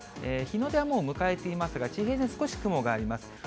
日の出はもう迎えていますが、地平線に少し雲があります。